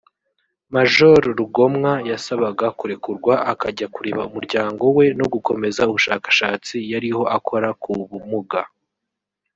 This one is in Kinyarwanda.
Maj Rugomwa yasabaga kurekurwa akajya kureba umuryango we no gukomeza ubushakashatsi yariho akora ku bugumba